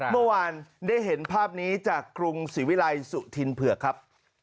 เมื่อวานได้เห็นภาพนี้จากกรุงศรีวิลัยสุธินเผือกครับ